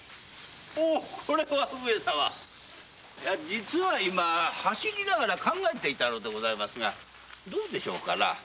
実は今走りながら考えていたのでございますがどうでしょうかな。